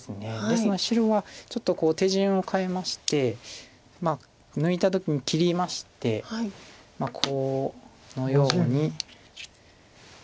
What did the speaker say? ですので白はちょっと手順を変えまして抜いた時に切りましてこのように。